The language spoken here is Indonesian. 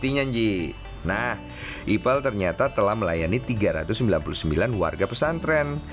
nah ipal ternyata telah melayani tiga ratus sembilan puluh sembilan warga pesantren